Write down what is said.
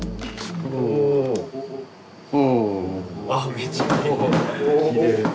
きれい。